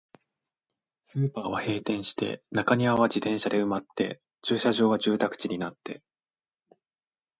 スーパーは閉店して、中庭は自転車で埋まって、駐車場は住宅地になって、